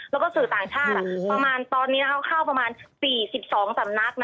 แล้วก็สื่อต่างชาติประมาณตอนนี้เขาเข้าประมาณ๔๒สำนัก